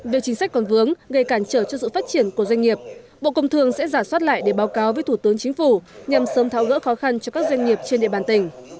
về chính sách còn vướng gây cản trở cho sự phát triển của doanh nghiệp bộ công thương sẽ giả soát lại để báo cáo với thủ tướng chính phủ nhằm sớm tháo gỡ khó khăn cho các doanh nghiệp trên địa bàn tỉnh